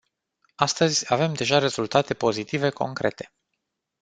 Astăzi, avem deja rezultate pozitive concrete.